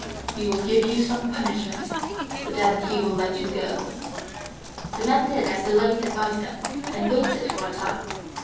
He will give you some punishment, but then he will let you go.' The men did as the Lake advised them, and waited for a time.